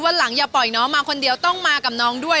วันหลังอย่าปล่อยน้องมาคนเดียวต้องมากับน้องด้วย